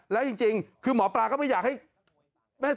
แล้วจริงคือหมอปลาก็ไม่อยากให้